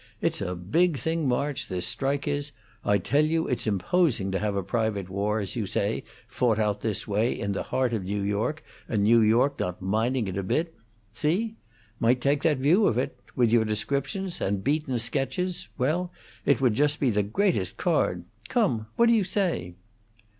It's a big thing, March, this strike is. I tell you it's imposing to have a private war, as you say, fought out this way, in the heart of New York, and New York not minding it a bit. See? Might take that view of it. With your descriptions and Beaton's sketches well, it would just be the greatest card! Come! What do you say?"